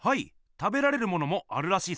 食べられるものもあるらしいっすよ。